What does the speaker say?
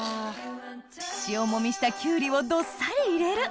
塩もみしたキュウリをどっさり入れる！